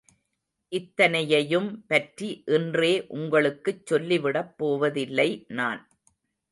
இத்தனையையும் பற்றி இன்றே உங்களுக்குச் சொல்லிவிடப் போவதில்லை நான்.